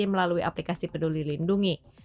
kedua mereka dikirim melalui aplikasi peduli lindungi